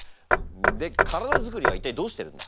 で体づくりは一体どうしてるんだ？